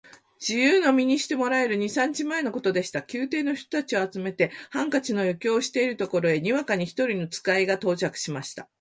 自由の身にしてもらえる二三日前のことでした。宮廷の人たちを集めて、ハンカチの余興をしているところへ、にわかに一人の使が到着しました。